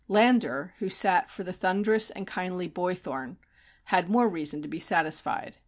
Landor, who sat for the thunderous and kindly Boythorn, had more reason to be satisfied.